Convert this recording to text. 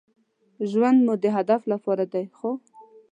ژوند مو د هدف لپاره دی ،خو